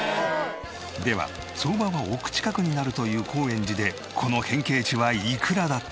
では相場は億近くになるという高円寺でこの変形地はいくらだったのか？